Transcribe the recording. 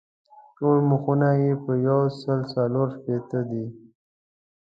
ټول مخونه یې یو سل څلور شپېته دي.